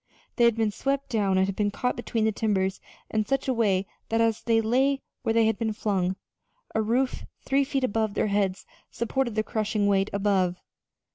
They had been swept down and had been caught between the timbers in such a way that as they lay where they had been flung, a roof three feet above their heads supported the crushing weight above.